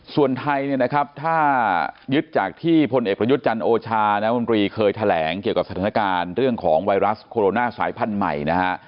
ส่วนไทยเนี่ยนะครับถ้ายึดจากที่พลเอกประยุทธ์จันทร์โอชาน้ำมนตรีเคยแถลงเกี่ยวกับสถานการณ์เรื่องของไวรัสโคโรนาสายพันธุ์ใหม่นะฮะ